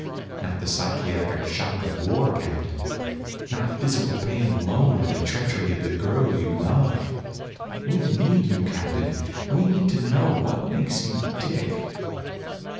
Not the psychiatric shock of war, Captain. Not physical pain alone or the treachery of the girl you love. We need you, Captain. We need to know what makes you tick."